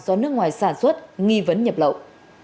do nước ngoài sản xuất nghi vấn nhập lậu